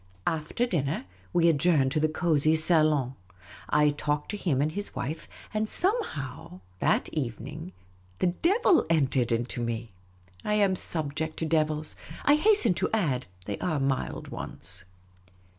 After dinner, we adjourned to the cosy salon. I talked to him and his wife ; and somehow, that evening, the devil entered into me. I am subject to devils. I hasten to add, they are mild ones.